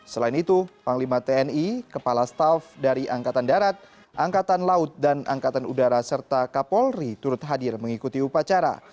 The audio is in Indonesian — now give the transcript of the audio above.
selain itu panglima tni kepala staff dari angkatan darat angkatan laut dan angkatan udara serta kapolri turut hadir mengikuti upacara